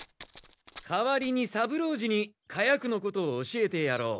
代わりに三郎次に火薬のことを教えてやろう。